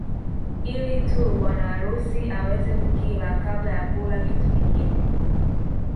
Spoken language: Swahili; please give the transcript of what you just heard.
Ili tu bwana harusi aweze kukila kabla ya kula kitu kingine